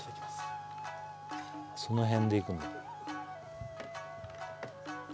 その辺でいくんだ